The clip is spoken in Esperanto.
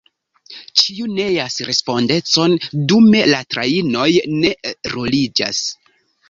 Ĉiu neas respondecon: dume la trajnoj ne ruliĝas.